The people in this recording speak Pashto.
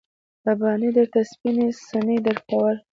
رباني درته سپين څڼې درکول.